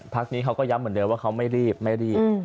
นี้เขาก็ย้ำเหมือนเดิมว่าเขาไม่รีบไม่รีบ